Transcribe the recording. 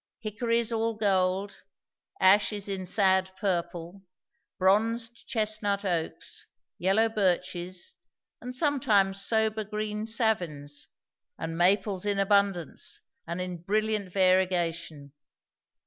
Hickories all gold, ashes in sad purple, bronzed chestnut oaks, yellow birches, and sometimes sober green savins; and maples in abundance and in brilliant variegation.